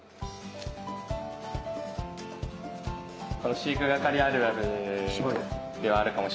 「飼育係あるある」ではあるかもしんないですけど